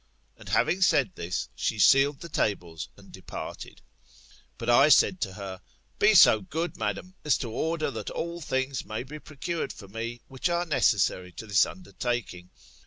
And having said this, she sealed the tables and departed. But I said to her, [Be so good] madam, as to order that all things may be procured for me which are necessary to this undertaking.